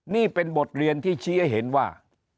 นี่เป็นบทเรียนที่ชี้ให้เห็นว่า